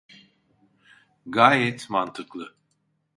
Gayet mantıklı.